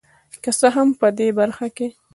که څه هم په دې برخه کې